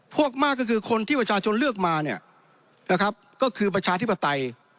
พวกมากก็คือคนที่ประชาชนเลือกมาเนี่ยนะครับก็คือประชาธิปไตย